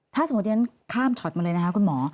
ถ้าสมมุติฉันข้ามช็อตมาเลยนะคะคุณหมอ